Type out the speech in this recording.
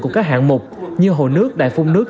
của các hạng mục như hồ nước đại phung nước